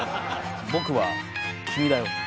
僕は君だよ。